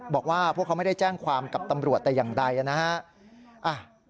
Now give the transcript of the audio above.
บอกว่าพวกเขาไม่ได้แจ้งความกับตำรวจแต่อย่างใดนะฮะ